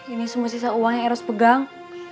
ini semua sisa uang yang eros pegang